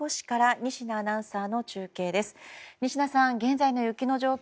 仁科さん、現在の雪の状況